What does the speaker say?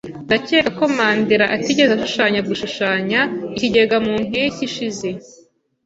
Ndakeka ko Mandera atigeze ashushanya gushushanya ikigega mu mpeshyi ishize.